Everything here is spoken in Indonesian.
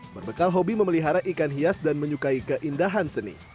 berbekal hobi memelihara ikan hias dan menyukai keindahan seni